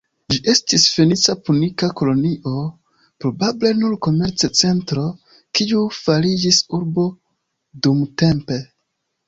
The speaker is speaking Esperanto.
Ĝi estis fenica-punika kolonio, probable nur komerca centro, kiu fariĝis urbo dumtempe.